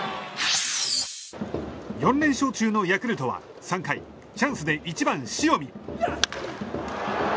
４連勝中のヤクルトは３回チャンスで１番、塩見。